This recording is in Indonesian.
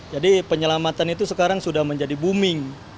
jadi penyelamatan itu sekarang sudah menjadi booming